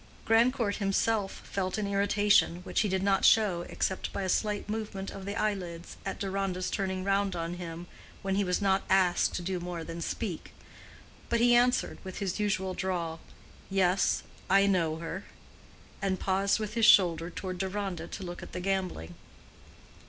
Grandcourt himself felt an irritation, which he did not show except by a slight movement of the eyelids, at Deronda's turning round on him when he was not asked to do more than speak. But he answered, with his usual drawl, "Yes, I know her," and paused with his shoulder toward Deronda, to look at the gambling.